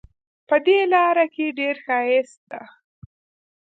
په دې لاره کې ډېر ښایست ده